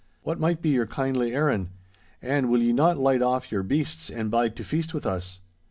What might be your kindly errand? And will ye not light off your beasts and bide to feast with us.